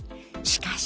しかし。